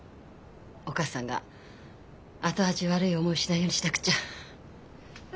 お義母さんが後味悪い思いをしないようにしなくちゃ。